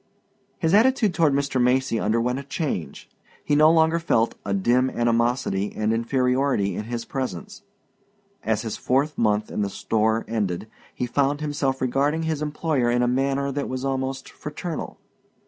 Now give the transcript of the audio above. His attitude toward Mr. Macy underwent a change. He no longer felt a dim animosity and inferiority in his presence. As his fourth month in the store ended he found himself regarding his employer in a manner that was almost fraternal.